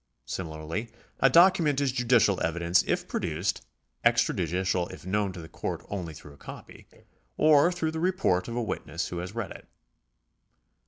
Similarly a document is judicial evidence if pro duced, extrajudicial if known to the court only through a copy, or through the report of a witness who has read it.